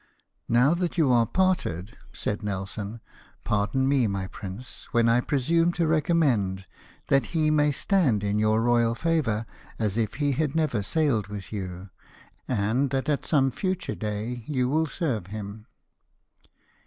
" Now that you are parted," said Nelson, " pardon me, my prince, when I presume to recommend that he may stand in your royal favour as if he had never sailed with you, and that at some future day you will serve him.